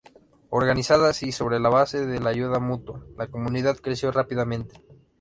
Organizada sí sobre la base de la ayuda mutua, la comunidad creció rápidamente.